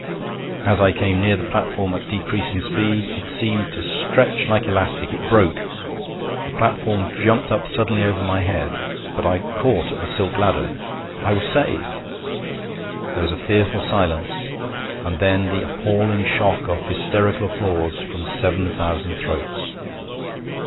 As I came near the platform at decreasing speed, it seemed to stretch like elastic. It broke! The platform jumped up suddenly over my head, but I caught at the silk ladder. I was saved! There was a fearful silence, and then the appalling shock of hysterical applause from seven thousand throats.